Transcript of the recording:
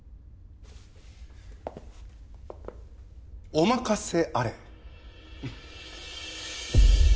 お任せあれンフ